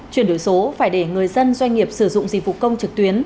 chuyển đổi số phải để người dân doanh nghiệp sử dụng dịch vụ công trực tuyến